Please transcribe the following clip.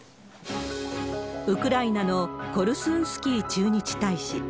ウクライナのコルスンスキー駐日大使。